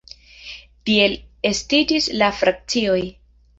Tiel estiĝis la frakcioj.